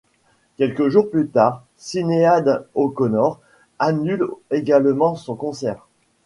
Quelques jours plus tard, Sinead O'Connor annule également son concert.